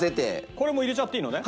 これもう入れちゃっていいのね？